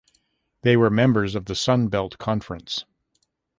They were members of the Sun Belt Conference.